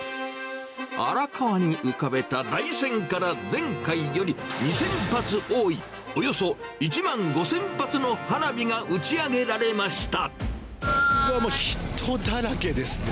荒川に浮かべた台船から、前回より２０００発多いおよそ１万５０００発の花火が打ち上げら人だらけですね。